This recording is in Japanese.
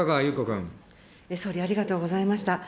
総理、ありがとうございました。